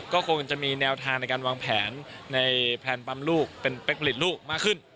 ก็คงจะมีแนวทางในการวางแผนในแพลนปั๊มลูกเป็นเป๊กผลิตลูกมากขึ้น